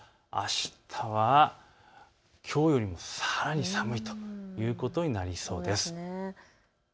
最高気温７度ですからあしたはきょうよりもさらに寒いということになりそうです。